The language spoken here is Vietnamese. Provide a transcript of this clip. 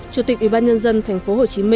chủ tịch ủy ban nhân dân tp hcm